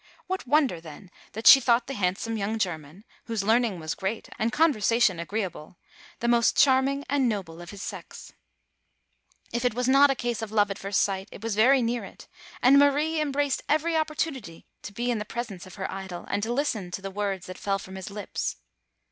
What wonder, then, that she thought the handsome young Ger man, whose learning was great and conversation agreeable, the most charming and noble of his sex ? If it was not a ease of love at first sight, it A RtiSSlAN EL0PRMEN1\ 2,^1 was very near it, and Marie embraced every opportunity to be in the presence of her idol, and to listen to the words that fell from his lips.